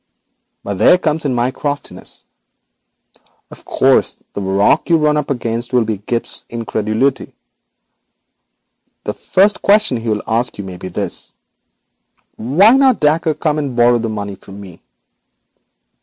But there comes in my craftiness. Of course, the rock you run up against will be Gibbes's incredulity. The first question he will ask you may be this: "Why did not Dacre come and borrow the money from me?"